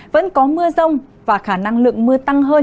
vẫn có mưa rông và khả năng lượng mưa tăng hơn